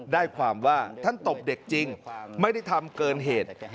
ได้ความว่าท่านตบเด็กจริงไม่ได้ทำเกินเหตุ